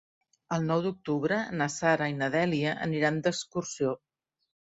El nou d'octubre na Sara i na Dèlia aniran d'excursió.